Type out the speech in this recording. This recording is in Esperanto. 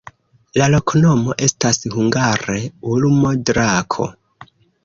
La loknomo estas hungare: ulmo-drako.